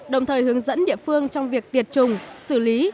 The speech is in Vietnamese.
đồng thời hướng dẫn địa phương trong việc tiệt trùng xử lý